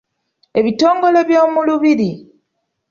Ebitongole by’omu lubiri.